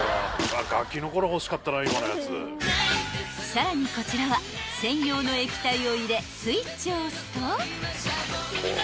［さらにこちらは専用の液体を入れスイッチを押すと］